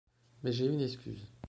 Mais j'ai une excuse.